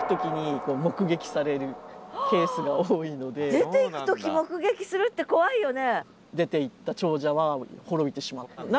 出ていく時目撃するって怖いよね？